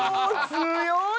強い！